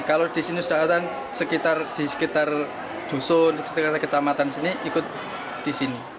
kalau di sini sudah ada di sekitar dusun di sekitar kecamatan sini ikut di sini